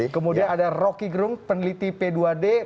kemudian ada rocky gerung peneliti p dua d